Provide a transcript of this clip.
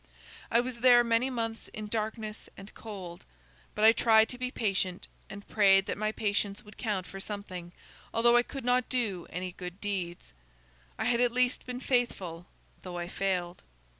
"I was there many months in darkness and cold. But I tried to be patient, and prayed that my patience would count for something, although I could not do any good deeds. I had at least been faithful though I failed.